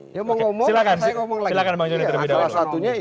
silakan bang judi terlebih dahulu